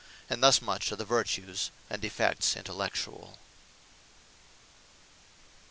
And thus much of the Vertues and Defects Intellectuall.